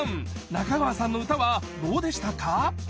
仲川さんの歌はどうでしたか？